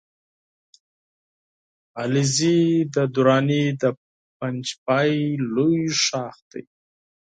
علیزی د دراني د پنجپای لوی ښاخ دی